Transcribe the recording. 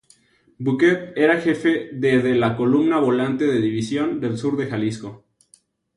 Bouquet era Jefe de de la Columna Volante de División del Sur de Jalisco.